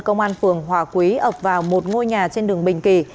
công an phường hòa quý ập vào một ngôi nhà trên đường bình kỳ